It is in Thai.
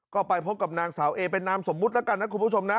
ก็ไปพบกับนางสาวเอเป็นนามสมมุติแล้วกันนะคุณผู้ชมนะ